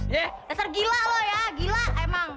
udah serang ketau diri lo ya gila emang